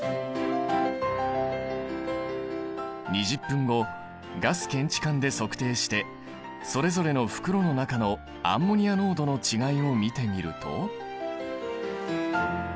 ２０分後ガス検知管で測定してそれぞれの袋の中のアンモニア濃度の違いを見てみると。